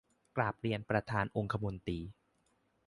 กราบเรียนประธานองคมนตรี